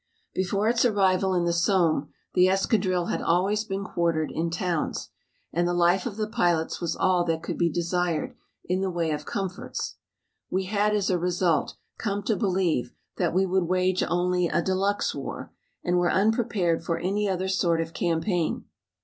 Before its arrival in the Somme the escadrille had always been quartered in towns and the life of the pilots was all that could be desired in the way of comforts. We had, as a result, come to believe that we would wage only a de luxe war, and were unprepared for any other sort of campaign.